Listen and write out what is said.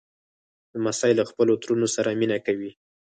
لمسی له خپلو ترونو سره مینه کوي.